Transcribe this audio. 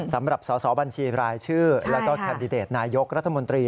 สำหรับสอสอบัญชีรายชื่อแล้วก็แคนดิเดตนายกรัฐมนตรี